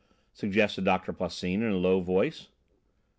suggested Doctor Plassin in a low voice.